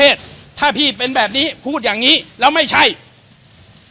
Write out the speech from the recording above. เอาตำแหน่งเก้าอี้ผู้จัดการตำรวจแห่งชาติมาเดิมพันกัน